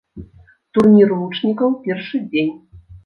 Турнір лучнікаў, першы дзень.